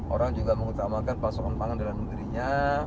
orang juga mengutamakan pasokan pangan dalam negerinya